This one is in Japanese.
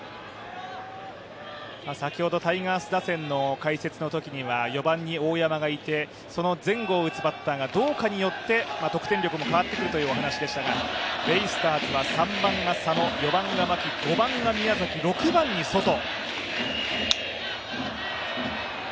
先ほどタイガース打線の解説のときには、４番に大山がいて、その前後を打つバッターがどうかによって得点力も変わってくるというお話でしたが、ベイスターズは３番が佐野４番が牧、５番が宮崎、６番にソト。